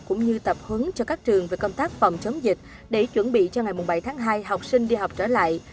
cũng như tập huấn cho các trường về công tác phòng chống dịch để chuẩn bị cho ngày bảy tháng hai học sinh đi học trở lại